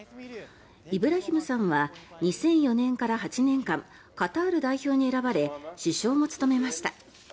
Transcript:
イブラヒムさんは２００４年から８年間カタール代表に選ばれ主将も務めました。